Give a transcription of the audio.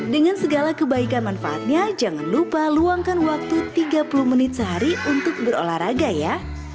dengan segala kebaikan manfaatnya jangan lupa luangkan waktu tiga puluh menit sehari untuk berolahraga ya